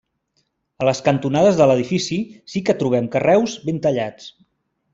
A les cantonades de l'edifici sí que trobem carreus ben tallats.